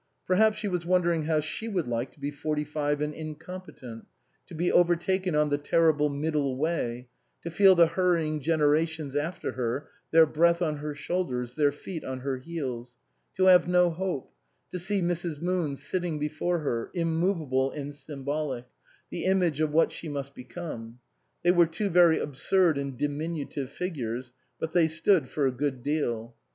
Perhaps she was wondering how she would like to be forty five and incompetent ; to be over taken oil the terrible middle way ; to feel the hurrying generations after her, their breath on her shoulders, their feet on her heels ; to have no hope ; to see Mrs. Moon sitting before her, immovable and symbolic, the image of what she must become. They were two very absurd and diminutive figures, but they stood for a good deal.